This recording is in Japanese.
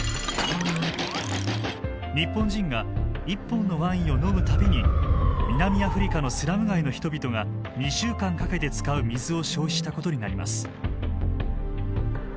日本人が１本のワインを飲む度に南アフリカのスラム街の人々が２週間かけて使う水を消費したことになります。